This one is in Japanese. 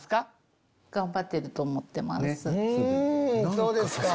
そうですか。